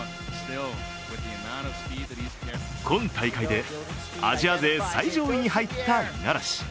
今大会でアジア勢最上位に入った五十嵐。